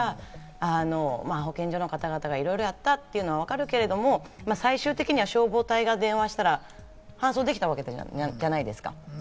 だから保健所の方々がいろいろやったっていうのはわかるけれども、最終的には消防隊が電話したら搬送できたわけじゃないですか。